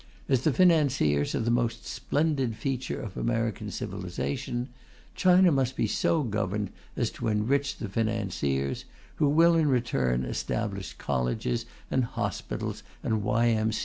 As the financiers are the most splendid feature of the American civilization, China must be so governed as to enrich the financiers, who will in return establish colleges and hospitals and Y.M.